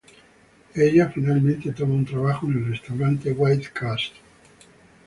Ella finalmente toma un trabajo en el restaurante White Castle.